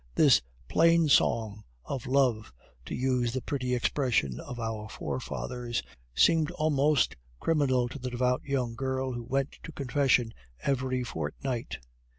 This plain song of love, to use the pretty expression of our forefathers, seemed almost criminal to the devout young girl who went to confession every fortnight.